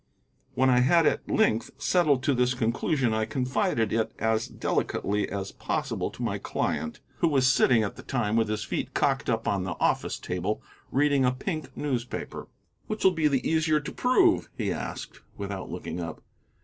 When I had at length settled to this conclusion I confided it as delicately as possible to my client, who was sitting at the time with his feet cocked up on the office table, reading a pink newspaper. "Which'll be the easier to prove?" he asked, without looking up.